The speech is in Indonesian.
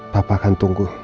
papa akan tunggu